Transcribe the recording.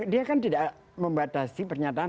dia kan tidak membatasi pernyataan